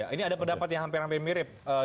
ini ada pendapat yang hampir hampir mirip